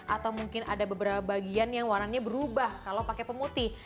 atau mungkin ada beberapa bagian yang warnanya berubah kalau pakai pemutih